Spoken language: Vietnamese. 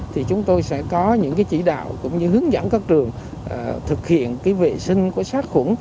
thì chúng tôi sẽ có những chỉ đạo cũng như hướng dẫn các trường thực hiện cái vệ sinh của sát khuẩn